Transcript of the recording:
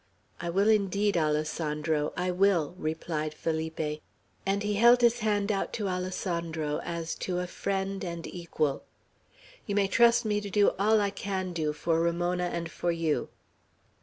"I will, indeed, Alessandro; I will," replied Felipe; and he held his hand out to Alessandro, as to a friend and equal. "You may trust me to do all I can do for Ramona and for you."